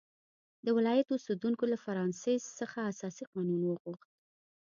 د ولایت اوسېدونکو له فرانسیس څخه اساسي قانون وغوښت.